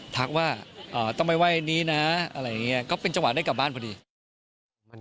ทักว่าอ๋อต้องไม่ไหว้อันนี้นะอะไรอย่างเงี้ย